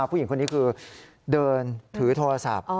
ผู้หญิงคนนี้คือเดินถือโทรศัพท์